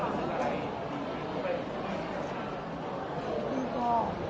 น่าจะทำให้เขาแข็งแรงขึ้น